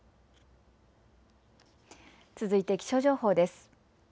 続いて気象情報です。